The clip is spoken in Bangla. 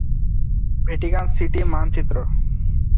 ভ্যাটিকান সিটি মানচিত্র